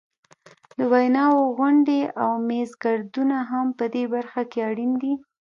د ویناوو غونډې او میزګردونه هم په دې برخه کې اړین دي.